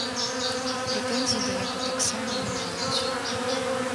Прэтэнзій да яго таксама не маюць.